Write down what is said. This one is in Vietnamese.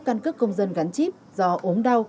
căn cức công dân gắn chip do ốm đau